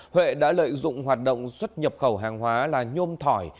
huệ đã lợi dụng hoạt động xuất nhập khẩu hàng hóa là nhôm thỏi